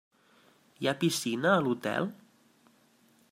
Hi ha piscina a l'hotel?